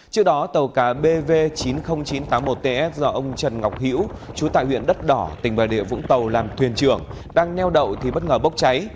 trước đó tàu cá bv chín mươi nghìn chín trăm tám mươi một ts do ông trần ngọc hiễu chú tại huyện đất đỏ tỉnh bà địa vũng tàu làm thuyền trưởng đang neo đậu thì bất ngờ bốc cháy